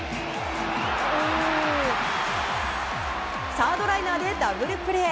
サードライナーでダブルプレー。